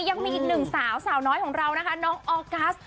ยังมีอีกหนึ่งสาวสาวน้อยของเรานะคะน้องออกัส